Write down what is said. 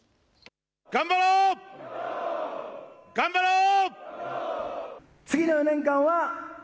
頑張ろう、頑張ろう。